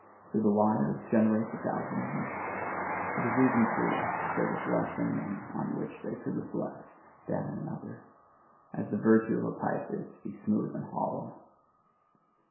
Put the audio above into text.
Did the wires generate the galvanism? It is even true that there was less in them on which they could reflect than in another; as the virtue of a pipe is to be smooth and hollow.